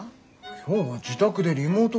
今日は自宅でリモート研修。